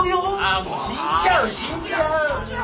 死んじゃう死んじゃう！